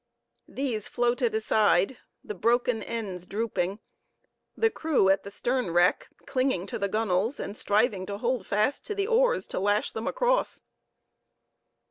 These floated aside, the broken ends drooping, the crew at the stern wreck clinging to the gunwales, and striving to hold fast to the oars to lash them across.